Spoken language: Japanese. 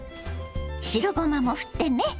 白ごまもふってね。